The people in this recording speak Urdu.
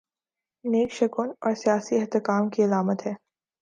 نیک شگون اور سیاسی استحکام کی علامت ہے۔